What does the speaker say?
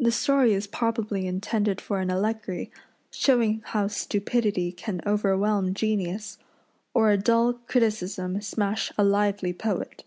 The story is probably intended for an allegory, showing how stupidity can overwhelm genius, or a dull criticism smash a lively poet.